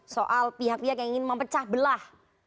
soal pihak pihak yang ingin mempecah belah